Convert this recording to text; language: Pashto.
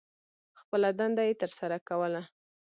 خپله دنده یې تر سرہ کوله.